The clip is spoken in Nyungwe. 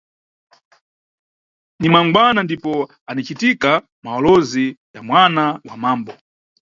Ni mangwana ndipo yanicitika mawolozi ya mwana wa mambo.